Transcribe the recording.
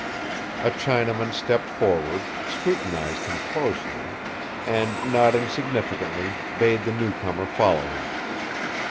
A Chinaman stepped forward, scrutinized him closely, and, nodding significantly, bade the new comer follow him.